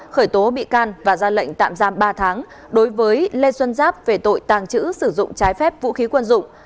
khởi tố bị can và ra lệnh tạm giam ba tháng đối với lê xuân giáp về tội tàng trữ sử dụng trái phép vũ khí quân dụng